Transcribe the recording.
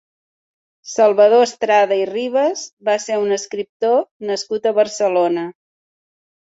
Salvador Estrada i Ribas va ser un escriptor nascut a Barcelona.